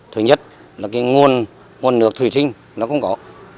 thứ nhất là cái nguồn nước thủy sinh nó không có